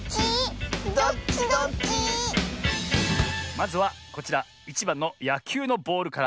まずはこちら１ばんのやきゅうのボールから。